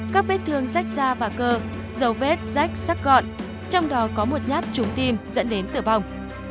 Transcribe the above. các vết thương rách da và cơ dấu vết rách sắc gọn trong đó có một nhát trúng tim dẫn đến tử vong